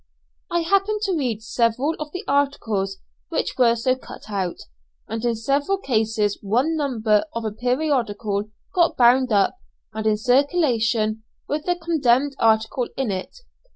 I happened to read several of the articles which were so cut out, and in several cases one number of a periodical got bound up and in circulation with the condemned article in it.